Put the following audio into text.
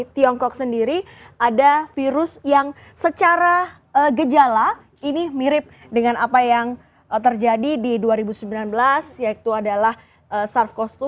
tiongkok sendiri ada virus yang secara gejala ini mirip dengan apa yang terjadi di dua ribu sembilan belas yaitu adalah sars cos dua